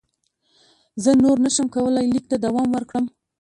زه نور نه شم کولای لیک ته دوام ورکړم.